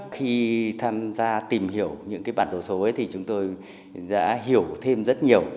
khi tham gia tìm hiểu những bản đồ số ấy thì chúng tôi đã hiểu thêm rất nhiều